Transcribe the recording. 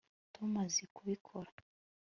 tom azi kubikora